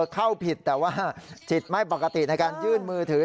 เข้าผิดแต่ว่าจิตไม่ปกติในการยื่นมือถือ